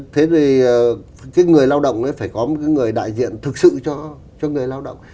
thế thì cái người lao động phải có một cái người đại diện thực sự cho người lao động